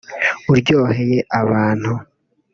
uryoheye abantu